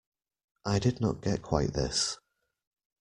I did not get quite this.